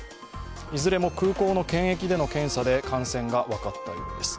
いずれも空港の検疫での検査で感染が分かったようです。